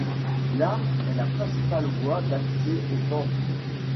La est la principale voie d'accès au temple.